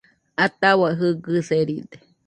Atahua Jɨgɨ seride